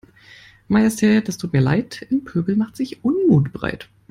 Majestät es tut mir Leid, im Pöbel macht sich Unmut breit.